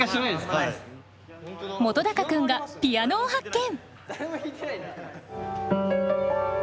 本君がピアノを発見。